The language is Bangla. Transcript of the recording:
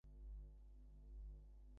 পরদুঃখকাতরতা সকলের ভাগ্যে হয় না।